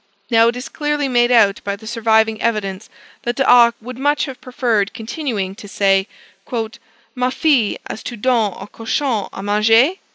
Now, it is clearly made out by the surviving evidence, that D'Arc would much have preferred continuing to say "Ma fille as tu donné au cochon à manger?"